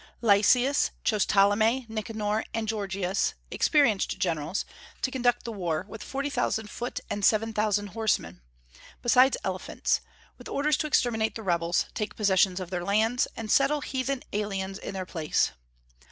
Lysias chose Ptolemy, Nicanor, and Gorgias, experienced generals, to conduct the war, with forty thousand foot and seven thousand horsemen, besides elephants, with orders to exterminate the rebels, take possession of their lands, and settle heathen aliens in their place.